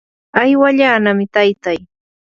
aywallanami taytay.